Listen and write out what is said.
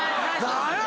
何や？